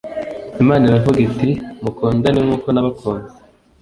imana iravuga iti mukundane nkuko nabakunze